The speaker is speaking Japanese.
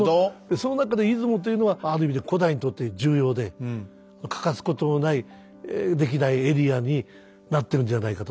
その中で出雲というのはある意味で古代にとって重要で欠かすことのないできないエリアになってるんじゃないかと。